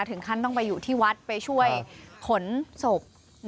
ถึงขั้นต้องไปอยู่ที่วัดไปช่วยขนศพ